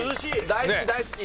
大好き大好き。